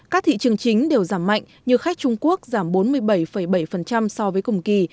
các thị trường chính đều giảm mạnh như khách trung quốc giảm bốn mươi bảy bảy so với cùng kỳ